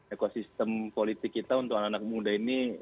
ekosistem politik kita untuk anak anak muda ini